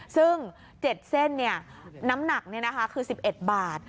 ซึ่ง๗เส้นเนี่ยน้ำหนักเนี่ยนะคะคือ๑๑บาท